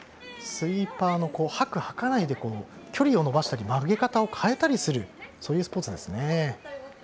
スイーパーの掃く、掃かないで距離を伸ばしたり曲げ方を変えたりするそういうスポーツですね。